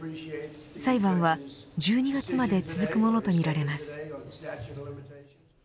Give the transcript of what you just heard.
裁判は１２月まで続くものとみられます。